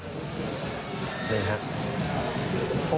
นี่ครับ